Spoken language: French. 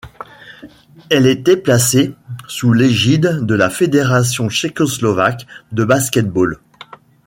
Elle était placée sous l’égide de la Fédération tchécoslovaque de basket-ball.